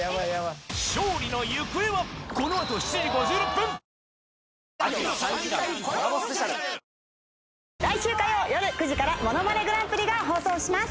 ぷっ事実「特茶」来週火曜夜９時から『ものまねグランプリ』が放送します。